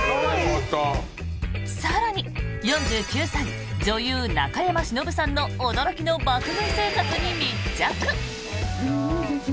更に、４９歳女優、中山忍さんの驚きの爆食い生活に密着。